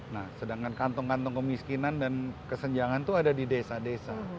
nah sedangkan kantong kantong kemiskinan dan kesenjangan itu ada di desa desa